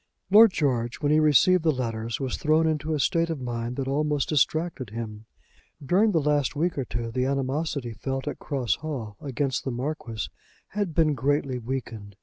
Lord George when he received the letters was thrown into a state of mind that almost distracted him. During the last week or two the animosity felt at Cross Hall against the Marquis had been greatly weakened.